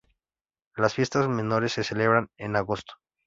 Las fiestas menores se celebran en agosto.